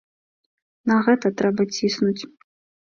На гэта трэба ціснуць.